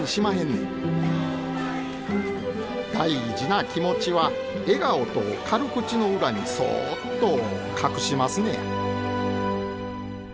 大事な気持ちは笑顔と軽口の裏にそっと隠しますのや。